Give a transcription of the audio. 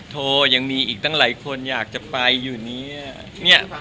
โถไยังมีอีกตั้งแหลายคนอยากใจจากนี้